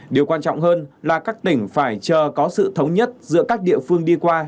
điều quan trọng hơn là các tỉnh phải chờ có sự thống nhất giữa các địa phương đi qua